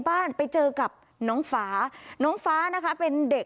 บ้านไปเจอกับน้องฟ้าน้องฟ้านะคะเป็นเด็ก